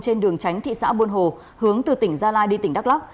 trên đường tránh thị xã buôn hồ hướng từ tỉnh gia lai đi tỉnh đắk lắc